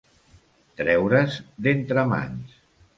Treure's d'entre mans.